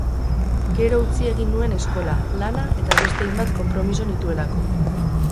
Gero utzi egin nuen eskola, lana eta beste hainbat konpromiso nituelako.